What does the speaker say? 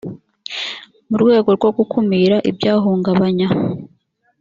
mu rwego rwo gukumira ibyahungabanya